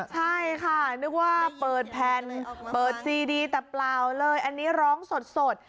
ใช่ค่ะนึกว่าเปิดแผ่นเปิดซีดีแต่เปล่าเลยอันนี้ร้องสด